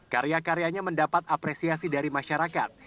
karya karyanya mendapat apresiasi dari masyarakat